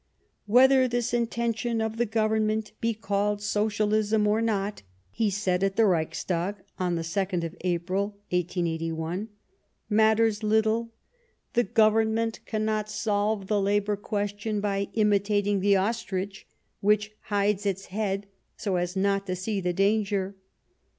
" Whether this intention of the Government be called Sociahsm or not," he said at the Reichstag on the 2nd of April, 1881, " matters little. The Government cannot solve the labour question by imitating the ostrich, which hides its head so as not to see the danger."